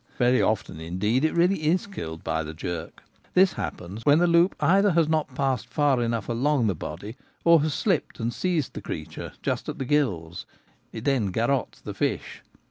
Very often, indeed, it really is killed by the jerk. This happens when the loop either has not 1 84 The Gamekeeper at Home. passed far enough along the body or has slipped and seized the creature just at the gills. It then garottes the fish.